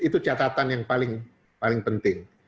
itu catatan yang paling penting